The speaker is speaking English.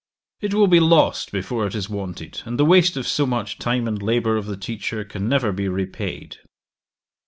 It will be lost before it is wanted, and the waste of so much time and labour of the teacher can never be repaid.